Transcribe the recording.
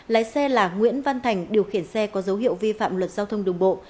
lái xe là nguyễn văn thành điều khiển xe có dấu hiệu vi phạm luật giao thông đường bộ